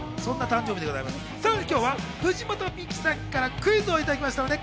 さらに今日は藤本美貴さんからクイズをいただきました。